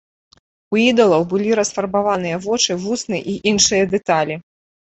У ідалаў былі расфарбаваныя вочы, вусны і іншыя дэталі.